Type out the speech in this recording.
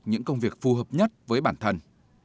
những công việc phù hợp nhất với bản thân